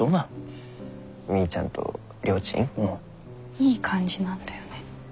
いい感じなんだよね？